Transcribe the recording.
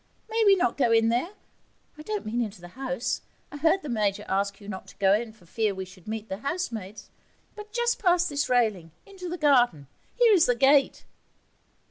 May we not go in there I don't mean into the house? I heard the Major ask you not to go in for fear we should meet the housemaids but just past this railing, into the garden? Here is the gate.'